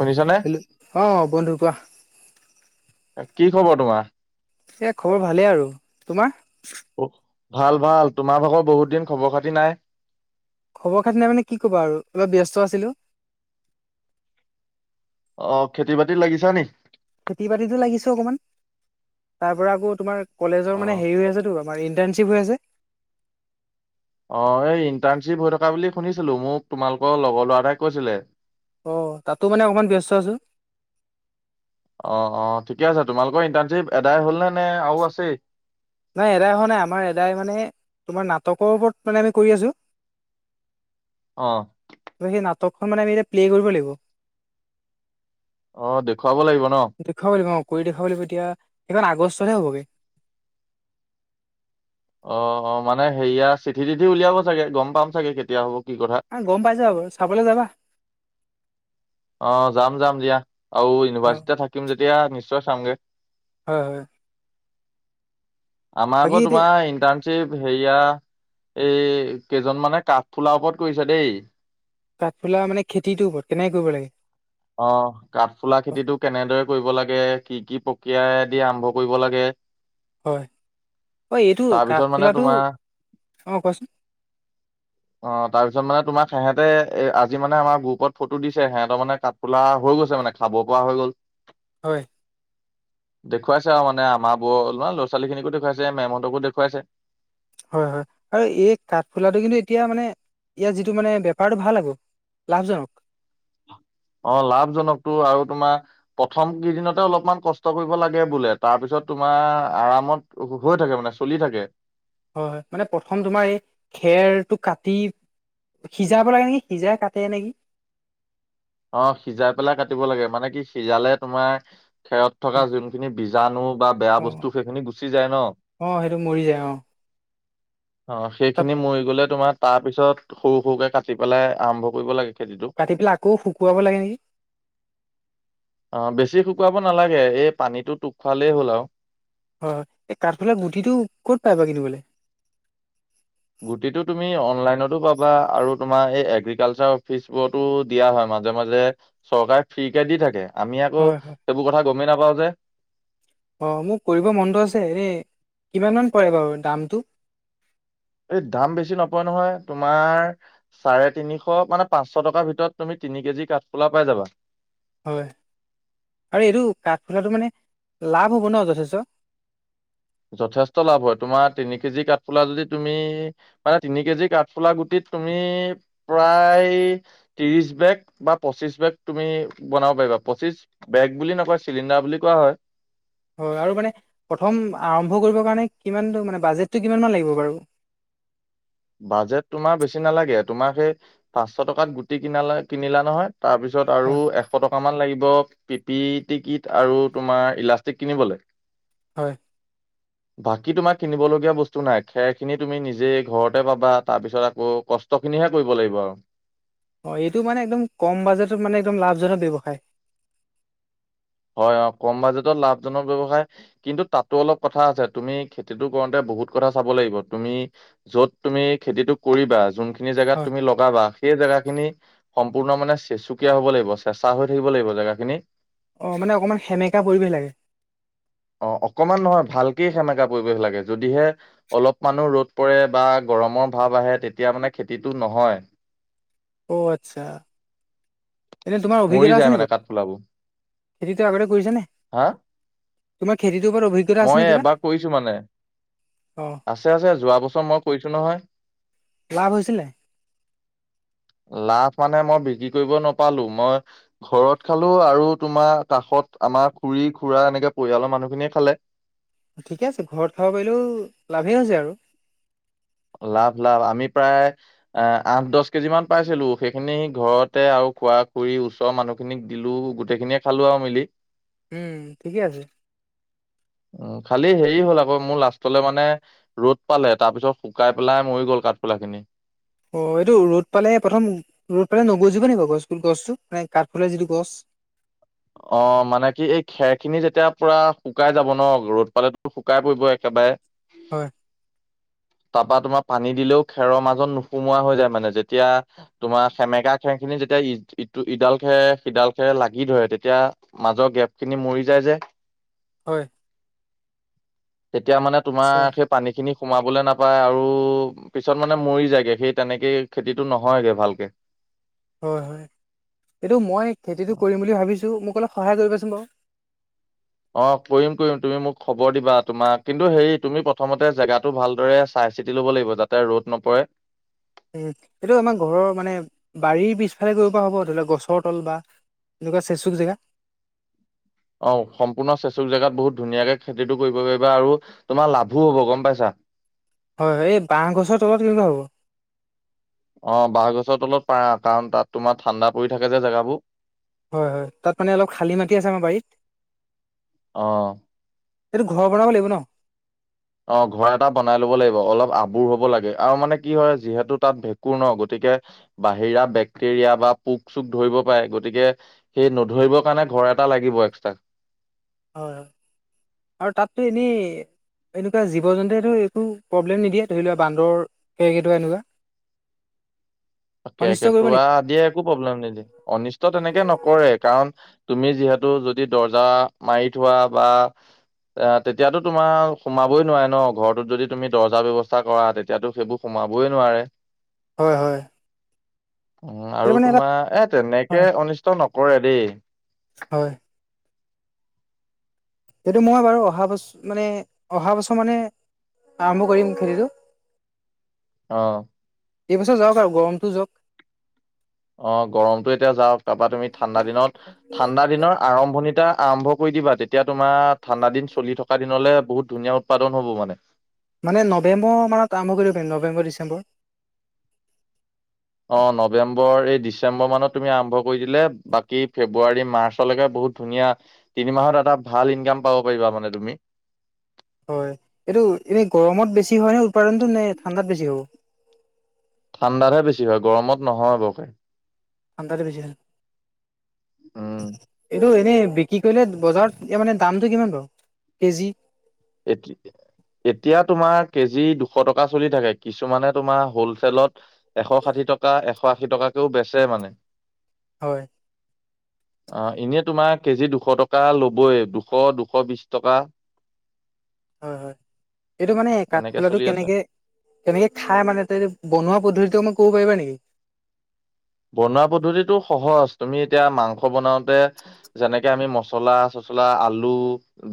শুনিছানে হেল্ল' অ বন্ধু কোৱা। কি খবৰ তোমাৰ? এ খবৰ ভালেই আৰু। তোমাৰ? ভাল ভাল তোমাৰ ভাগৰ বহুত দিন খবৰ খাতি নাই। খবৰ খাতি ন মানে কি ক'বা আৰু অলপ ব্যস্ত আছিলো। অ খেতি বাতি লাগিছা নি? খেতি বাতিতো লাগিছ অকমান। তাৰ পৰা আকৌ তোমাৰ অ কলেজৰ মানে হেৰি হৈ আছেতো তমাৰ ইণ্টাণৰ্শ্বিপ হৈ আছে। অ এই ইণ্টাৰ্ণশ্বিপ হৈ থকা বুলি শুনিছিলো মোক তোমালোকৰ লগৰ ল'ৰা এটাই কৈছিলে। অ তাতো মানে অকমান ব্যস্ত আছো। অ অ ঠিকে আছে। তোমালোকৰ ইণ্টাৰ্ণশ্বিপ এদাই হল নে নে আৰু আছেই? নাই এদাই অহা নাই আমাৰ এদাই মানে তোমাৰ নাটকৰ ওপৰত মানে আমি কৰি আছো। অ। সেই নাটকখন মানে আমি এতিয়া প্লে' কৰিব লাগিব। অ দেখুৱাব লাগিব ন। দেখুৱাব লাগিব, অ কৰি দেখাব লাগিব। এতিয়া সেইখন আগষ্টতহে হ'বগৈ। অ অ, মানে হেৰিয়া চিঠি তিঠি উলিয়াব চাগে গম পাম চাগে কেতিয়া হব কি কথা। গম পাইছা বাৰু, চাবলৈ যাবা? অ যাম যাম দিয়া। আৰু অ ইউনিভাৰ্চিটিতে থাকিম যেতিয়া নিশ্চয় চামগে। হয় হয়। আমাৰ বাকী আকৌ এতিয়া তোমাৰ ইণ্টাৰ শ্বিপ হেৰিয়া এই কেইজন মানে কাঠফুলাৰ ওপৰত কৰিছো দেই। কাঠফুলা মানে খেতিটোৰ ওপৰত কেনেকৈ কৰিব লাগে? অ কাঠফুলা অ খেতিতটো কেনেদৰে কৰিব লাগে কি কি প্ৰক্ৰিয়াই দি আৰম্ভ কৰিব লাগে [inaudible] হয় অ এইটো তাৰপিছত মানে কাঠফুলাটো, তোমাৰ অ কোৱাচোন। অ তাৰপিছত মানে তোমাক সিহঁতে এ আজি মানে আমাৰ গ্ৰুপত ফটো দিছে সিহঁতৰ মানে কাট ফোলা হৈ গৈছে মানে খাব পৰা হৈ গ'ল। হয়। দেখুৱাইছে আৰু মানে আমাৰ বোৰ অলমান ল'ৰা ছোৱালীখিনিকো দেখুৱাইছে, মেমহঁতকো দেখুৱাইছে। হয় হয় আৰু এই কাঠফুলাটো কিন্তু এতিয়া মানে ইয়াৰ যিটো মানে বেপাৰটো ভাল আক। লাভজনক। অ লাভজনকতো আৰু তোমাৰ প্ৰথম কেইদিনতে অলপমান কষ্ট কৰিব লাগে বোলে, তাৰপিছত তোমাৰ আৰামত অ হৈ থাকে মানে চলি থাকে। হয় হয়, মানে প্ৰথম তোমাৰ এই খেৰটো কাটি- সিজাব লাগে নেকি সিজাই কাটে নেকি। অ সিজাই পেলাই কাটিব লাগে, মানে কি সিজালে তোমাৰ খেৰত থকা যোনখিনি বি জানো বা বেয়া অ', বস্তু সেইখিনি গুচি যায় ন। অ', সেইটো মৰি যায় অ', অ তাত সেইখিনি মৰি গলে তোমাৰ, তাৰ পিছত সৰু সৰুকে কাটি পেলাই আৰম্ভ কৰিব লাগে খেতিটো। কাটি পেলাই আকৌ শুকুৱাব লাগে নেকি? অঁ, বেছি শুকুৱাব নালাগে, এই পানীটো টোক খুৱালেই হ'ল আৱ। হয়, এই কাঠফুলাৰ গুটিটো ক'ত পাই বা কিনিবলে। গুটিটো তুমি অনলাইনতো পাবা আৰু তোমাৰ এই এগ্ৰিকালচাৰ অফিচবোৰতো- দিয়া হয়, মাজে মাজে চৰকাৰে ফ্ৰীকে দি থাকে। আমি আকৌ হয়, হয় সেইবোৰ কথা গমেই নাপাওঁ যে। অ মোক কৰিব মনটো আছে, এই কিমানমান পৰে বাৰু দামটো? এইটো দাম বেছি নপৰে নহয় তোমাৰ চাৰে তিনিশ মানে পাঁচশ টকাৰ ভিতৰত তুমি তিনি কেজি কাঠফুলা পাই যাবা। হয়, আৰু এইটো কাঠফুলাটো মানে লাভ হ'ব ন যথেষ্ট? যথেষ্ট লাভ হয়। তোমাৰ তিনি কেজি কাঠফুলা যদি তুমি মানে তিনি কেজি কাঠফুলা গুটিত তুমি প্ৰায় ত্ৰিশ বেগ বা পঁচিশ বেগ তুমি বনাব পাৰিবা। পঁচিশ বেগ বুলি নকয় চিলিণ্ডাৰ বুলি কোৱা হয়। হয় আৰু মানে প্ৰথম আৰম্ভ কৰিবৰ কাৰণে কিমানটো মানে বাজেটটো কিমান মান লাগিব বাৰু? বাজেট তোমাৰ বেছি নালাগে। তোমাৰ সেই পাঁচশ টকাত গুটি কিনালা কিনিলা নহয়। তাৰপিছত আৰু হয় এ- এশ টকা মান লাগিব। পি পি টি কিট আৰু তোমাৰ ইলাষ্টিক কিনিবলে। হয়। বাকী তোমাক কিনিব লগীয়া বস্তু নাই। খেৰ খিনি তুমি নিজেই ঘৰত তে পাবা, তাৰ পিছত আকৌ কষ্ট খিনিহে কৰিব লাগিব আৰু। অঁ এইটো মানে একদম কম বাজেটত মানে একদম লাভজনক ব্যৱসায়। হয় অঁ কম বাজেটত লাভজনক ব্যৱসায়। কিন্তু তাতো অলপ কথা আছে, তুমি খেতিটো কৰোঁতে বহুত কথা চাব লাগিব। তুমি য'ত তুমি খেতিটো কৰিবা, যোনখিনি জেগাত হয় তুমি লগাবা। সেই জেগাখিনি সম্পূৰ্ণ মানে চেচুকীয়া হ'ব লাগিব, চেঁচা হৈ থাকিব লাগিব জেগাখিনি। অঁ মানে অকমান সেমেকা পৰিৱেশ লাগে। অঁ অকমান নহয় ভালকে সেমেকা পৰিৱেশ লাগে। যদিহে অলপ মানো ৰ'দ পৰে বা গৰমৰ ভাৱ আহে তেতিয়া মানে খেতিটো নহয়। [inaudible] অঁ আচ্ছা। এনেই তোমাৰ মৰি অভিজ্ঞতা আছে যায় নি মানে বাৰু? কাঠফুলাবোৰ খেতিটো আগতে কৰিছা নে? হা তোমাৰ খেতিটোৰ ওপৰত অভিজ্ঞ- মই এই এবাৰ কৰিছোঁ মানে। অ আছে আছে যোৱা বছৰ মই কৰিছোঁ নহয়। লাভ হৈছিল নাই লাভ মানে মই বিক্ৰী কৰিব নাপালোঁ। মই ঘৰত খালো আৰু তোমাৰ কাষত আমাৰ খুৰী খুৰা এনেকে পৰিয়ালৰ মানুহখিনিয়ে খালে। ঠিকে আছে ঘৰত খাব পাৰিলেও লাভেই হৈছে আৰু। লাভ লাভ আমি প্ৰায় এহ আঠ দছ কেজি মান পাইছিলো। সেইখিনি ঘৰতে আৰু খুৰা খুৰী ওচৰৰ মানুহ খিনিক দিলোঁ গোটেইখিনিয়ে খালো আৰু মিলি। উম ঠিকে আছে। উম খালি হেৰী হ'ল আকৌ মোৰ লাষ্টলে মানে ৰ'দ পালে তাৰপিছত শুকাই পেলাই মৰি গ'ল কাঠফুলাখিনি। অঁ এইটো ৰ'দ পালে প্ৰথম ৰ'দ পালে নগজিব নেকি বাৰু গছপুলি গছটো মানে কাঠফুলা যিটো গছ? অঁ মানে কি এই খেৰখিনি যেতিয়া পুৰা শুকাই যাব ন ৰ'দ পালেতো শু শুকাই পৰিব একেবাৰে। হয়। তাপা তোমাৰ পানী দিলেও খেৰৰ মাজত নোসোমোৱা হৈ যায় মানে যেতিয়া তোমাৰ সেমেকা খেৰখিনি যেতিয়া ই ইটো ইদাল খেৰে সিদাল খেৰে লাগি ধৰে তে তেতিয়া মাজৰ গেপখিনি মৰি যায় যে। হয়। তেতিয়া মানে আচ্ছা তোমাৰ সেই পানীখিনি সোমাবলে নাপায় আৰু পিছত মানে মৰি যায়গে। সেই তেনেকেই খেতিটো নহয়গে ভালকে। হয় হয়, এইটো মই খেতিটো কৰিম বুলি ভাবিছোঁ মোক অলপ সহায় কৰিবাচোন বাও অঁ কৰিম কৰিম তুমি মোক খবৰ দিবা তোমাক কিন্তু হেৰী তুমি প্ৰথমতে জেগাটো ভালদৰে চাই চিতি ল'ব লাগিব যাতে ৰ'দ নপৰে। উম এইটো আমাৰ ঘৰৰ মানে বাৰীৰ পিছফালে কৰিব পৰা হ'ব ধৰি লোৱা গছৰ তল বা এনেকোৱা চেচুক জেগা। অ সম্পূৰ্ণ চেচুক জেগাত বহুত ধুনীয়াকে খেতিটো কৰিব পাৰিবা আৰু তোমাৰ লাভো হব গম পাইছা? হয় হয় এই বাঁহ গছৰ তলত কেনেকুৱা হ'ব? অ বাঁহগছৰ তলত পাৰা কাৰণ তাত তোমাৰ ঠাণ্ডা পৰি থাকে যে জেগাবোৰ। হয় হয় তাত মানে অলপ খালী মাটি আছে আমাৰ বাৰীত। অ এইটো ঘৰ বনাব লাগিব ন? অ ঘৰ এটা বনাই লব লাগিব, অলপ আবোৰ হব লাগে আৰু মানে কি হয় যিহেতু তাত ভেঁকুৰ ন গতিকে বাহিৰা বেক্টেৰিয়া বা পোক - চোক ধৰিব পাৰে গতিকে সেই নধৰিবৰ কাৰণে ঘৰ এটা লাগিব এক্সট্ৰা। হয় হয় আৰু তাতটো এনেই এনেকুৱা জীৱ - জন্তুৱেটো একো প্ৰব্লেম নিদিয়ে ধৰি লোৱা বান্দৰ কেৰ্কেটুৱা এনেকুৱা? অনিষ্ট কৰিব কেৰ্কেটুৱা নেকি আদিয়ে একো প্ৰব্লেম নিদিয়ে, অনিষ্ট তেনেকে নকৰে কাৰণ তুমি যিহেতু যদি দৰ্জা মাৰি থোৱা বা এ তেতিয়াতো তোমাৰ সোমাবই নোৱাৰে ন ঘৰটোত যদি তুমি দৰ্জা ব্যৱস্থা কৰা তেতিয়াতো সেইবোৰ সোমাবই নোৱাৰে। হয় হয়। উম এইটো আৰু মানে এটা তোমাৰ এ তেনেকে হয় অনিষ্ট নকৰে দেই। হয়। সেইটো মই বাৰু অহা বছ মানে অহা বছৰ মানে আৰম্ভ কৰিম খেতিটো। অ এইবছৰ যাওক আৰু গৰমটো যাওক। অ গৰমতো এতিয়া যাওক তাপা তুমি ঠাণ্ডা দিনত ঠাণ্ডা দিনৰ আৰম্ভণিতে আৰম্ভ কৰি দিবা তেতিয়া তোমাৰ ঠাণ্ডা দিন চলি থকা দিনলে বহুত ধুনীয়া উ উৎপাদন হব মানে। মানে নৱেম্বৰ মানত আৰম্ভ কৰিব পাৰি নৱেম্বৰ - ডিচেম্বৰ। অ নৱেম্বৰ এই ডিচেম্বৰ মানত তুমি আৰম্ভ কৰি দিলে বাকী ফেব্ৰুৱাৰী - মাৰ্চলেকে বহুত ধুনীয়া, তিনি মাহত এটা ভাল ইনকাম পাব পাৰিবা মানে তুমি। হয়, এইটো এনে গৰমত বেছি হয় নে উৎপাদনটো নে ঠাণ্ডাত বেছি হ'ব? ঠাণ্ডাতহে বেছি হয়, গৰমত নহয় বৰকে। ঠাণ্ডাতে বেছি হয়, উম এইটো এনেই বিক ক্ৰি কৰিলে বজাৰত মানে দামটো কিমান বাৰু কেজি? এইট এতিয়া তোমাৰ কেজি দুশ টকা চলি থাকে, কিছুমানে তোমাৰ হলচেলত এশ ষাঠি টকা এশ আশী টকাকেও বেচে মানে। হয়। [inaudible] অ এনেই তোমাৰ কেজি দুশ টকা ল'বই দুশ দুশ বিশ টকা। হয় হয় এইটো মানে এনেকে কাঠফুলাটো চলি আছে কেনেকে কেনেকে খাই মানে ত বনোৱা পদ্ধতিটো মোক ক'ব পাৰিবা নিকি বনোৱা পদ্ধতিটো সহজ তুমি এতিয়া মাংস বনাওতে যেনেকে আমি মচলা চচলা আলু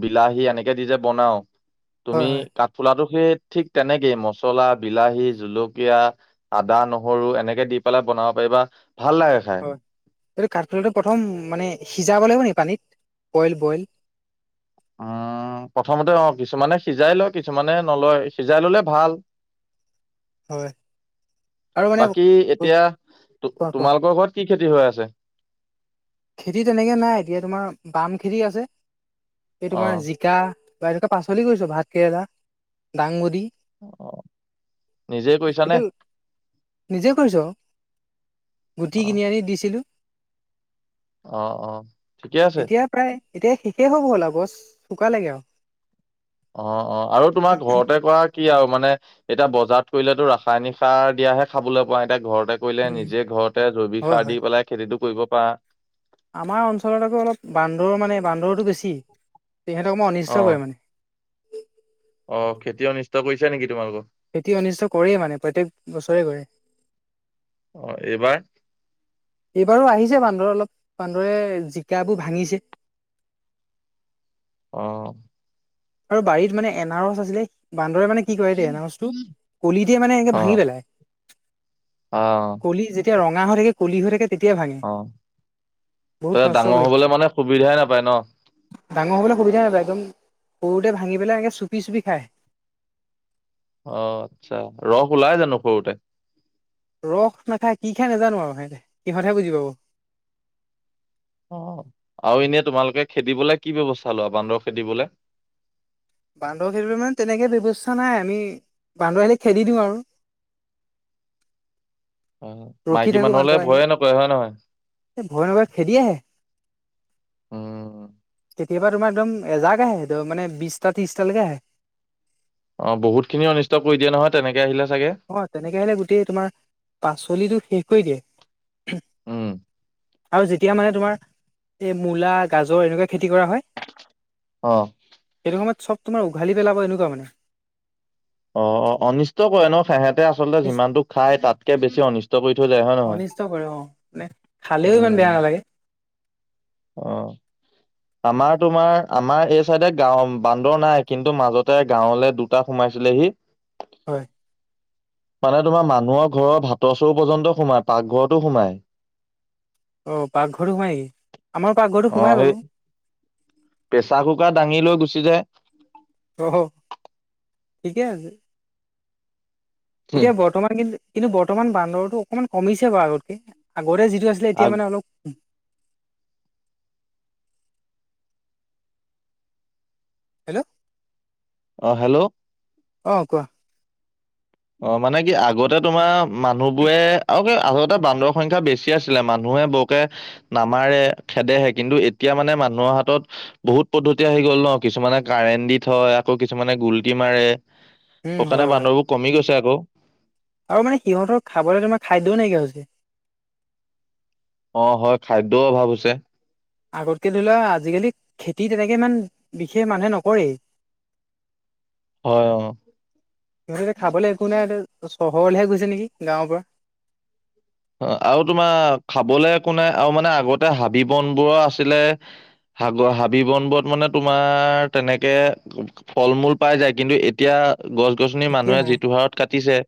বিলাহী এনেকে দি যে বনাও তুমি হয় হয় কাঠফুলাটো সেই ঠিক তেনেকেই মচলা বিলাহী জলকীয়া আদা নহৰু এনেকে দি পেলাই বনাব পাৰিবা ভাল লাগে খাই। হয় এইটো কাঠফুলটো প্ৰথম মানে সিজাব লাগিব নি পানীত বইল বইল। উম প্ৰথমতে অ কিছুমানে সিজাই লয় কিছুমানে নলয় সিজাই ললে ভাল। হয় আৰু মানে বাকী এতিয়া কোৱা ত কোৱা তোমালোকৰ ঘৰত কি খেতি হৈ আছে? খেতি তেনেকে নাই এতিয়া তোমাৰ বাম খেতি আছে সেই অ তোমাৰ যি জিকা বা এনেকা পাচলি কৰিছো ভাত কেৰেলা, দাংবদী। অ নিজেই কৰিছা এতিয়া নে? নিজে কৰিছ? অ গুটি কিনি আনি দিছিলো। অ অ। ঠিকে আছে এতিয়া প্ৰায় এতিয়া শেষেই হ'ব হ'ল আৰু গছ শুকালেগে আৰু। অ অ আৰু তোমাৰ ঘৰতে কৰা কি আৰু মানে এতিয়া বজাৰত কৰিলেতো ৰাসায়নিক সাৰ দিয়াহে খাবলৈ পোৱা। এতিয়া ঘৰতে কৰিলে উম, নিজে ঘৰতে জৈৱিক হয় সাৰ হয় দি পেলাই খেতিতটো কৰিব পাৰা। আমাৰ অঞ্চলত আকৌ অলপ বান্দৰ মানে বান্দৰটো বেছি, তেহেঁতক মই অ অনিষ্ট কৰে মানে। অ খেতিঅ অনিষ্ট কৰিছে নেকি তোমালোকৰ? খেতি অনিষ্ট কৰেই মানে, প্ৰত্যেক বছৰে কৰে। অ এইবাৰ এইবাৰো আহিছে বান্দৰ অলপ, বান্দৰে জিকাবোৰ ভাঙিছে। অ। আৰু বাৰীত মানে এনা ৰছ আছিলে, বান্দৰে মানে কি কৰে দে এনাৰছটো, কলিতে মানে এনেকে ভাঙি পেলাই। অঁ। কলি যেতিয়া ৰঙা হৈ থাকে, কলি হৈ থাকে তেতিয়া ভাঙে অ বহুত ত ই নষ্ট ডাঙৰ কৰিছে হবলৈ মানে সুবিধাই নাপায় ন? ডাঙৰ হ'বলৈ সবিধাই নাপাই একদম সৰুতে ভঙি পেলাই একে চুপি চুপি খায়। অ আচ্ছা, ৰস ওলাই জানো সৰুতে। ৰস নাখায়, কি খাই নাজানো আৰু সিহঁতে, সিহঁতে বুজি পাব। অ আৰু এনেই তোমালোকে খেদিবলৈ কি ব্যৱস্থা লোৱা বান্দৰ খেদিবলে? বান্দৰ খেদিবলে মানে তেনেকৈ ব্যৱস্থা নাই, আমি বান্দৰ আহিলে খেদি দিওঁ আৰু। অ ৰখি মাইকী মানুহলে ভয়ে নকৰে হয় নহয়? এ ভয় নকয় খেদি আহে। উম কেতিয়াবা তোমাৰ একদম এজাক আহে, মানে বিশটা ত্ৰিশটালৈকে আহে। অ বহুত খিনি অনিষ্ট কৰি দিয়ে নহয় তেনেকে আহিলে চাগে? অ তেনেকে আহিলে গোটেই তোমাৰ, পাচলিটো শেষ কৰি দিয়ে। উম আৰু যেতিয়া মানে তোমাৰ এই মূলা, গাজৰ এনেকুৱা খেতি কৰা হয় অ। সেইটো সময়ত চব তোমাৰ উঘালি পেলাব একুৱা মানে। অ অ অনিষ্ট কৰে ন সেহঁতে আচলতে সিমানতো খাই, তাতকে বেছি অনিষ্ট কৰি থৈ যায় হয় নহয়? অনিষ্ট কৰে অ, মানে খালেও ইমান উম বেয়া নালাগে। অ। আমাৰ তোমাৰ আমাৰ এই চাইডে গাও বান্দৰ নাই কিন্তু, মাজতে গাঁৱলে দুটা সোমাইছিলেহি। হয়। মানে তোমাৰ মানুহৰ ঘৰৰ ভাতৰ চৰু পৰ্যন্ত সোমায়, পাকঘৰতো সোমায়। অ পাকঘৰটো সোমাই নেকি? আমাৰ পাকঘৰটো সোমাই বাৰু। প্ৰেছাৰ কুকাৰ দাঙি লৈ গুচি যায়। অ' হ' ঠিকে আছে। হুম, এতিয়া ব বৰ্তমান কিন্ত, কিন্তু বৰ্তমান বান্দৰৰতটো অকণমান কমিছে বাৰু আগতকে। আগতে যিটো আছিলে এতিয়া আগ মানে অলপ হেল্ল'। অ হেল্ল'। অ কোৱা। অ মানে কি আগতে তোমাৰ মানুহ বোৰে আৰু আ বান্দৰ সংখ্যা বেছি আছিলে মানুহে বৰকে নামাৰে, খেদেহে, কিন্তু এতিয়া মানে মানুহৰ হাতত বহুত পদ্ধতি আহি গ'ল ন। কিছুমানে কাৰেণ্ট দি থয়, আকৌ কিছুমানে গুল্টি মাৰে, উম শুকানে হয় হয় বান্দৰবোৰ কমি গৈছে আকৌ। আৰু মানে সিহঁতৰ খাবলৈ তোমাৰ খাদ্যও নাইকিয়া হৈছে। অ হয় খাদ্যও অভাৱ আছে। আগতকে ধৰি লোৱা আজিকালি খেতি তেনেকে ইমান বিশেষ মানুহে নকৰেই। [inaudible] অ সিহঁতে খাবলৈ একো নাই চহৰলৈহে গৈছে নেকি গাঁৱৰ পৰা। অ আৰু তোমাৰ খাবলৈ একো নাই আৰু মানে আগতে হাবি বন বোৰৰ আছিলে। হাগৰ হাবি বন বত মানে তোমাৰ তেনেকে ফল মূল পাই যায় কিন্তু এতিয়া গছ গছনি এতিয়া মানুহে নাই যিটো হাৰত কাটিছে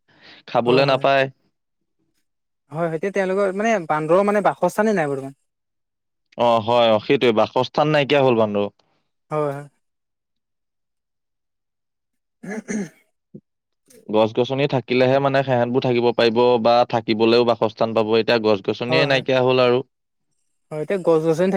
খাবলৈ নাপায়। হয়েইতিয়া তেওঁলোকৰ মানে বান্দৰৰ মানে বাসস্থানেই নাই বৰ্তমান। অ হয় অ সেইটোৱে বাসস্থান নাইকিয়া হল বান্দ‌ও। হয়। উম। গছ গছনি থাকিলেহে মানে সেহেতবোৰ থাকিব পাৰিব বা থাকিবলেও বাসস্থান পাব এতিয়া গছ গছনিয়ে হয় হয় নাইকিয়া হ'ল আৰু। হয় এতিয়া গছ গছনি থাকিলে